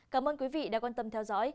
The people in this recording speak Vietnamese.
cảm ơn quý vị đã quan tâm theo dõi